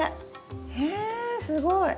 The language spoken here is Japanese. えすごい！